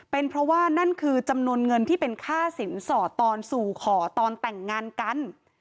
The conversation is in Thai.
เป็นเพราะว่านั่นคือจำนวนเงินที่เป็นค่าสินสอดตอนสู่ขอตอนแต่งงานกัน